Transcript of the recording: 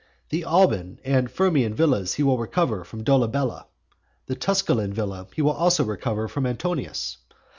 The Alban and Firmian villas he will recover from Dolabella; the Tusculan villa he will also recover from Antonius.